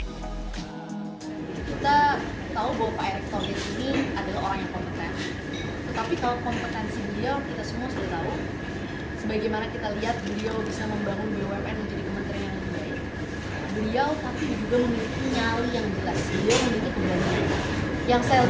kita tahu bahwa pak erik thohir ini adalah orang yang kompeten